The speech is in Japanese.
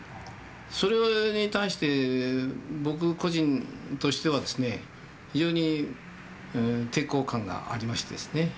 それに対して僕個人としてはですね非常に抵抗感がありましてですね。